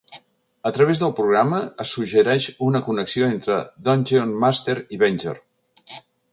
A través del programa, es suggereix una connexió entre Dungeon Master i Venger.